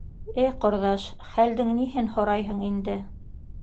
— Эй, ҡорҙаш, хәлдең ниһен һорайһың инде!